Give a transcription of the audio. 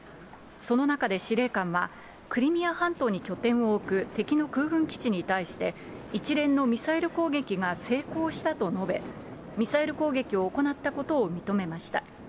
その中で司令官は、クリミア半島に拠点を置く敵の空軍基地に対して、一連のミサイル攻撃が成功したと述べ、ミサイル攻撃を行ったことを認めました。